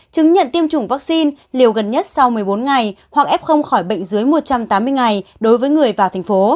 chứng nhận tiêm chủng vaccine liều gần nhất sau một mươi bốn ngày hoặc f khỏi bệnh dưới một trăm tám mươi ngày đối với người vào thành phố